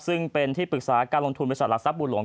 ซึ่งเป็นที่ปรึกษาการลงทุนบริษัทหลักทรัพย์หลวง